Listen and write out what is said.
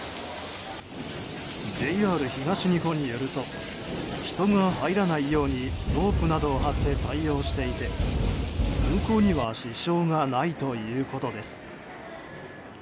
ＪＲ東日本によると人が入らないようにロープなどを張って対応していて運行には支障がないということです。